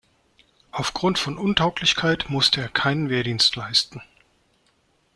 Aufgrund von Untauglichkeit musste er keinen Wehrdienst leisten.